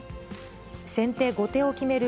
先手後手を決める